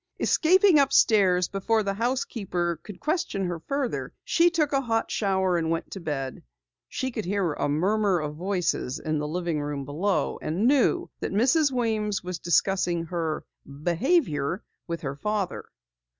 Escaping upstairs before the housekeeper could question her further, she took a hot shower and went to bed. She could hear a murmur of voices in the living room below, and knew that Mrs. Weems was discussing her "behavior" with her father.